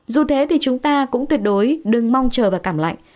dù thế thì chúng ta cũng tuyệt đối đừng mong chờ và cảm lạnh